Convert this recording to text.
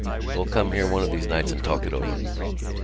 We'll come here one of these nights and talk it over."